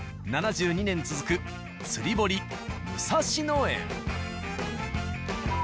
７２年続く「つり堀武蔵野園」。